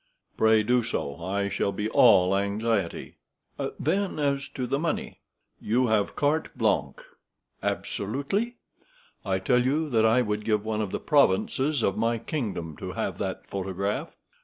"Pray do so; I shall be all anxiety." "Then, as to money?" "You have carte blanche." "Absolutely?" "I tell you that I would give one of the provinces of my kingdom to have that photograph."